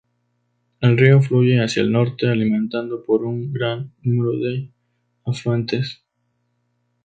El río fluye hacia el norte, alimentado por un gran número de afluentes.